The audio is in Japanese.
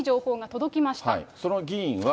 その議員は。